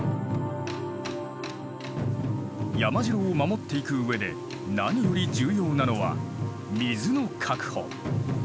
山城を守っていくうえで何より重要なのは水の確保。